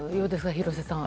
廣瀬さん。